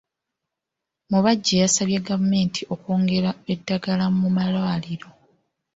Mubajje yasabye gavumenti okwongera eddagala mu malwaliro.